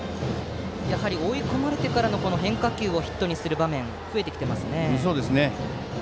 追い込まれてからの変化球をヒットにする場面が増えてきています。